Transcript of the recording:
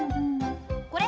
これ？